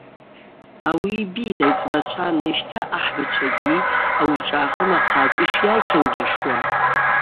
Ауи йбитӏ, айцӏбачва ныжьта ахӏбачвагьи ауи йшӏахым ахъацӏа йшйайкьангьашуа.